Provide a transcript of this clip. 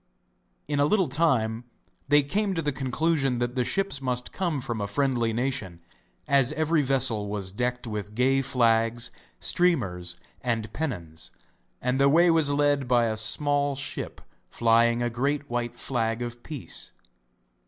In a little time they came to the conclusion that the ships must come from a friendly nation, as every vessel was decked with gay flags, streamers, and pennons, and the way was led by a small ship flying a great white flag of peace.